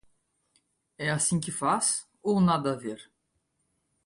É assim que faz ou nada a ver?